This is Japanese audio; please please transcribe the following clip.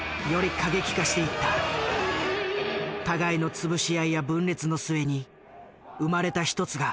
互いの潰し合いや分裂の末に生まれた一つが連合赤軍である。